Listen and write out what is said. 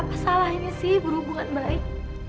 apa salah ini sih berhubungan baik